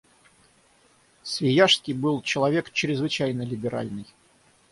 Свияжский был человек чрезвычайно либеральный.